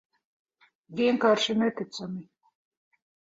Vienkārši neticami.